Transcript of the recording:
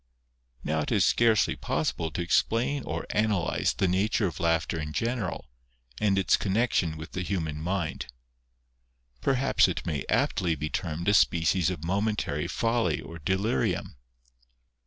Now it is scarcely possible to explain or analyse the nature of laughter in general, and its connection with the human mind. Perhaps it may aptly be termed a species of momentary folly or delirium.